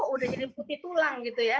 udah jadi putih tulang gitu ya